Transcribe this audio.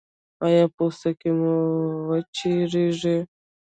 ایا پوستکی مو وچیږي؟